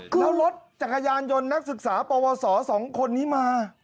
แล้วรถจักรยานยนต์นักศึกษาปวส๒คนนี้มา